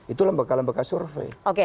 itu lembaga lembaga survei